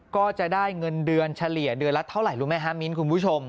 ก็จะได้เงินเดือนเฉลี่ยเดือนละเท่าไหร่รู้ไหมฮะมิ้นคุณผู้ชม